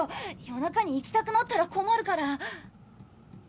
夜中に行きたくなったら困るから。